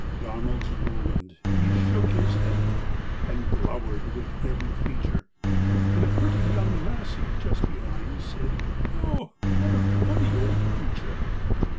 Donald's lowland, he shook his head at me, And glowered with every feature, And a pretty young lassie just behind Said: "Oh, what a funny old creature!"